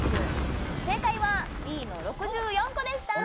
正解はＢの６４個でしたえ！？